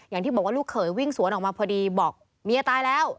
อย่างที่บอกว่าลูกเขยวิ่งสวนออกมาพอดีบอกเมียตายแล้ว